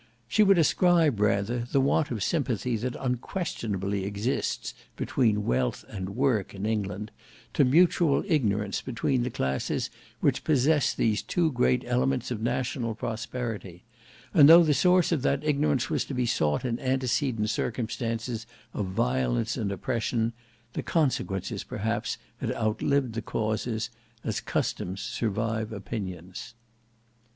She would ascribe rather the want of sympathy that unquestionably exists between Wealth and Work in England, to mutual ignorance between the classes which possess these two great elements of national prosperity; and though the source of that ignorance was to be sought in antecedent circumstances of violence and oppression, the consequences perhaps had outlived the causes, as customs survive opinions.